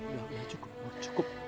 ya ya cukup nur cukup